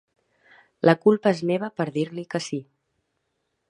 La culpa és meva per dir-li que sí.